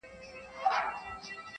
چي راسره وه لکه غر درانه درانه ملګري,